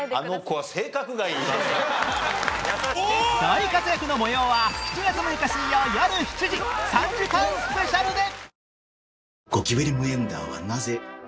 大活躍の模様は７月６日水曜よる７時３時間スペシャルで！